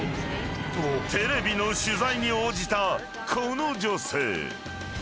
［テレビの取材に応じたこの女性］